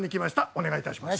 お願いいたします。